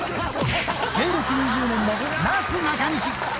芸歴２０年のなすなかにし。